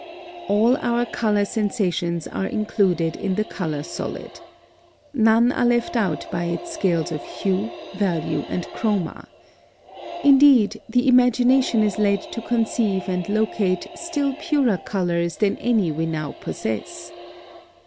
(19) All our color sensations are included in the color solid. None are left out by its scales of hue, value, and chroma. Indeed, the imagination is led to conceive and locate still purer colors than any we now possess.